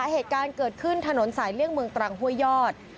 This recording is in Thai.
เหตุการณ์เกิดขึ้นถนนสายเลี่ยงเมืองตรังห้วยยอด